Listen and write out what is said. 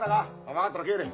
分かったら帰れ。